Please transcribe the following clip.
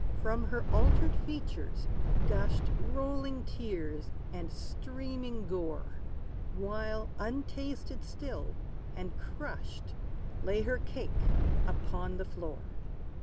From her altered features gushed Rolling tears, and streaming gore; While, untasted still, and crushed, Lay her cake upon the floor.